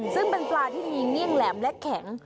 ซึ่งเป็นปลาที่มีเงี่ยงแหลมและแข็ง